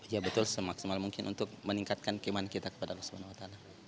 ya betul semaksimal mungkin untuk meningkatkan keiman kita kepada allah swt